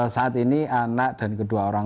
saat ini anak dan kedua orang